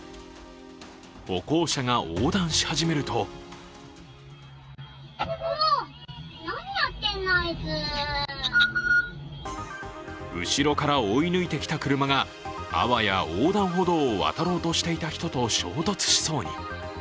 歩行者が横断し始めると後ろから追い抜いてきた車が、あわや横断歩道を渡ろうとしていた人と衝突しそうに。